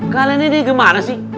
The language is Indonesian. kalian ini gimana sih